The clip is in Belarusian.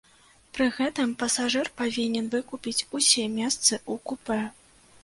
Пры гэтым пасажыр павінен выкупіць усе месцы ў купэ.